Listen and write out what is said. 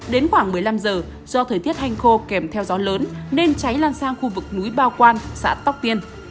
đến khoảng một mươi năm giờ do thời tiết hanh khô kèm theo gió lớn nên cháy lan sang khu vực núi bao quan xã tóc tiên